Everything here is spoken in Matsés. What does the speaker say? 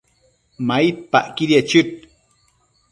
maidpacquidiec chëd